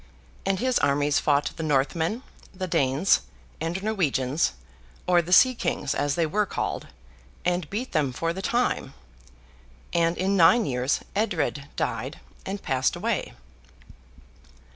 And his armies fought the Northmen, the Danes, and Norwegians, or the Sea Kings, as they were called, and beat them for the time. And, in nine years, Edred died, and passed away.